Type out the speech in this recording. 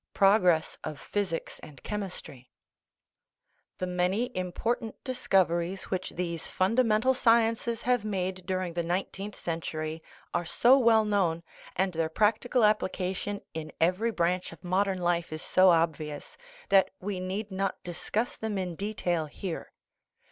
PROGRESS OF PHYSICS AND CHEMISTRY The many important discoveries which these funda mental sciences have made during the nineteenth cen tury are so well known, and their practical application in every branch of modern life is so obvious, that we need not discuss them in detail here.